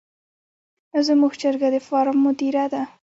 زموږ چرګه د فارم مدیره ده.